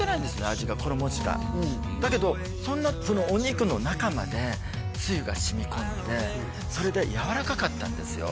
味が衣しかだけどそのお肉の中までつゆが染み込んでそれでやわらかかったんですよ